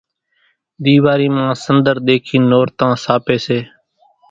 ۮيواري مان سنۮر ۮيکين نورتان ساپي سي